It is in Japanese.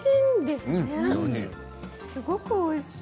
すごくおいしい。